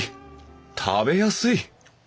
食べやすい！